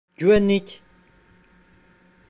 Güvenlik!